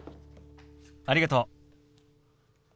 ありがとう。